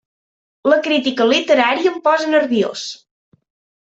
La crítica literària em posa nerviós!